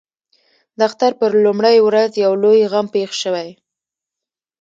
د اختر پر لومړۍ ورځ یو لوی غم پېښ شوی.